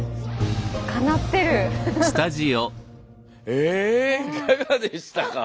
えいかがでしたか？